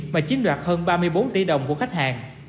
mà chiếm đoạt hơn ba mươi bốn tỷ đồng của khách hàng